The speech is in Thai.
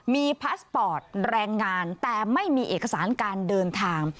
มีพาสปอร์ตแรงงานแต่ไม่มีเอกสารการเดินทาง